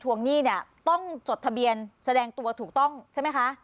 หนี้เนี่ยต้องจดทะเบียนแสดงตัวถูกต้องใช่ไหมคะ